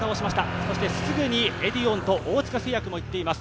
そしてすぐにエディオンと大塚製薬も行っています。